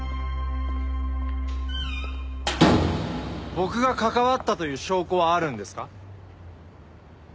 僕が関わったという証拠はあるんですか？